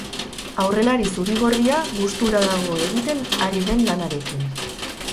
Aurrelari zuri-gorria gustura dago egiten ari den lanarekin.